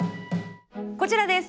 こちらです！